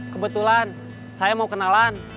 kebetulan saya mau kenalan